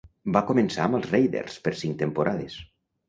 Va començar amb els Raiders per cinc temporades.